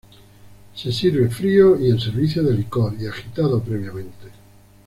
Se sirve frío y en servicio de licor, y agitado previamente.